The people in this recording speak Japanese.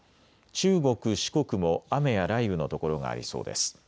中国、四国も雨や雷雨の所がありそうです。